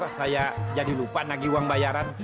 kok saya jadi lupa nagih uang bayaran